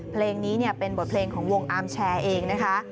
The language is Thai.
เพลงนี้เป็นบทเพลงของวงอาร์มแชร์เองนะคะ